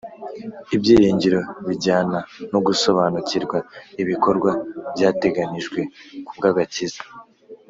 Ibyiringiro bijyana no gusobanukirwa ibikorwa byateganijwe ku bw’ agakiza